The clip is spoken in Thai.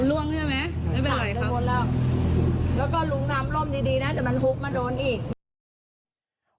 แล้วก็ลุงนำล่มดีนะแต่มันหุบมาโดนอีก